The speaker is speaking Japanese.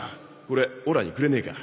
これオラにくれねえか？